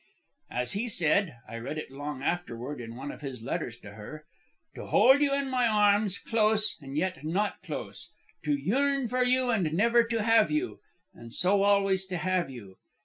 "As he said (I read it long afterward in one of his letters to her): 'To hold you in my arms, close, and yet not close. To yearn for you, and never to have you, and so always to have you.'